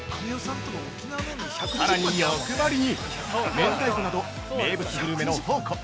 さらに欲張りに明太子など名物グルメの宝庫！